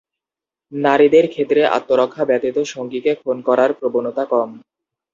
নারীদের ক্ষেত্রে আত্মরক্ষা ব্যতীত সঙ্গীকে খুন করার প্রবণতা কম।